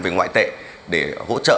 về ngoại tệ để hỗ trợ